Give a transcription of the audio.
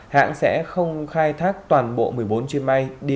hãng sẽ không khai thác toàn bộ một mươi bốn chuyên may